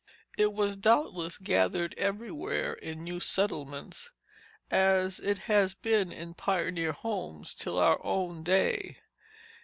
It was doubtless gathered everywhere in new settlements, as it has been in pioneer homes till our own day.